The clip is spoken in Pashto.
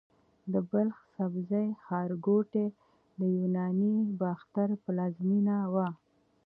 د بلخ د سبزې ښارګوټي د یوناني باختر پلازمېنه وه